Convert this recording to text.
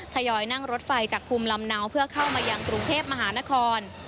ยอยนั่งรถไฟจากภูมิลำเนาเพื่อเข้ามายังกรุงเทพมหานคร